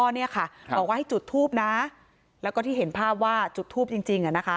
บอกว่าให้จุดทูปนะแล้วก็ที่เห็นภาพว่าจุดทูปจริง